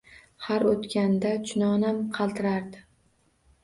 Har o‘tganda chunonam qaltirardi